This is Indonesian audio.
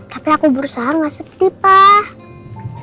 tapi aku berusaha gak sedih pak